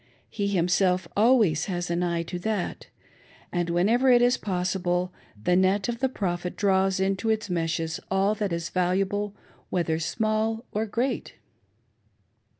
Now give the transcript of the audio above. He himself always has an eye to that, and wben^ ever it is possible, the net of the Prophet draws into its meshes all that is valuable, whether small or great.